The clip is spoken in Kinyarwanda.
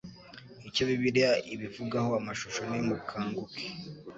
Icyo Bibiliya ibivugaho Amashusho Nimukanguke